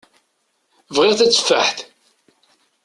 Bɣiɣ tateffaḥt.